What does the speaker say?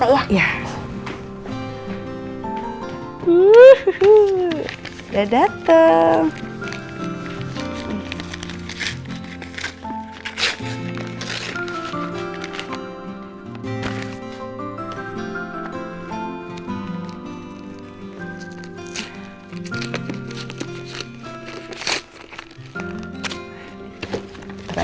tensinya juga baikum dusta